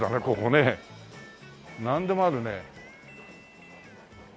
なんでもあるね。